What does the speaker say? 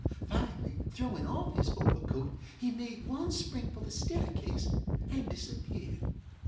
Finally, throwing off his overcoat, he made one spring for the staircase and disappeared.